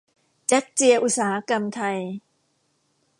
แจ๊กเจียอุตสาหกรรม ไทย